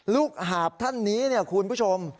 หาบท่านนี้เนี่ยคุณผู้ชม